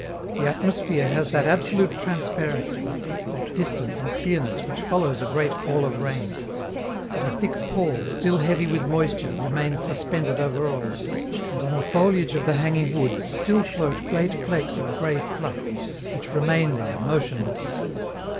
The atmosphere has that absolute transparency, that distance and clearness which follows a great fall of rain; but a thick pall, still heavy with moisture, remains suspended over all, and on the foliage of the hanging woods still float great flakes of gray fluff, which remain there, motionless.